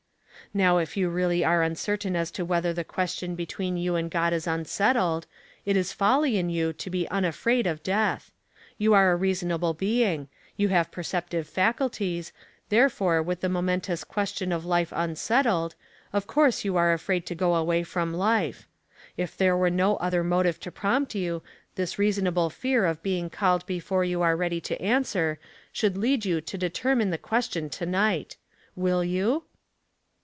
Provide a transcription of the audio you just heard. Now if you really are uncertain as to whether the question between you and God is unsettled, it is folly in you to be unafraid of death. You are a reasonable being, you have perceptive faculties, therefore with the moment ous question of life unsettled, of course you are afraid to go away from life. If there were no other motive to prompt you, this reasonable feai of being called before you are ready to answer should lead you to determine the question to night. Will you?"